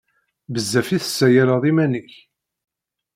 Bezzaf i tessalayeḍ iman-ik!